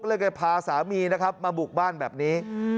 เลยก็พาสามีมาบุกบ้านแบบนี้